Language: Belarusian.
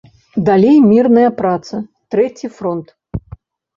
Далей мірная праца, трэці фронт.